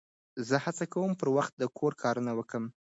زه هڅه کوم، چي پر وخت د کور کارونه وکم.